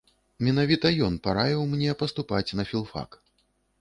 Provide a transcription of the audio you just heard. Менавіта ён параіў мне паступаць на філфак.